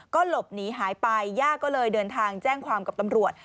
ก็หลบหนีหายไปย่าก็เลยเดินทางแจ้งความกับตำรวจ